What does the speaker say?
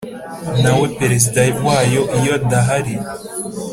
nawe Perezida wayo Iyo adahari